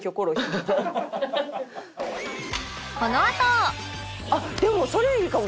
このあとでもそれいいかも！